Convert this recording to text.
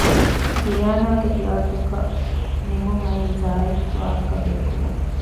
ރިޔާނާގެ ހިޔާލުތަކަށް ނިމުން އައީ ޒާއިފް ވާހަކަ ދެއްކުމުން